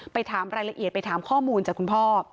ไปถามรายละเอียดไปถามข้อมูลจากคุณพ่อ